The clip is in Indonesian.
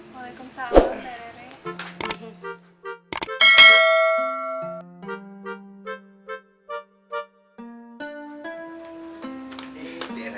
waalaikumsalam mbak rere